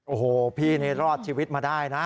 โอ้โหพี่นี่รอดชีวิตมาได้นะ